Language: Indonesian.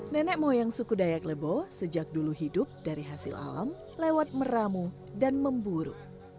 nenek moyang suku dayak lebo sejak dulu hidup dari hasil alam lewat meramu dan memburu